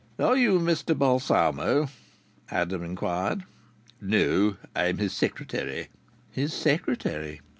"Are you Mr Balsamo?" Adam inquired. "No. I'm his secretary." His secretary!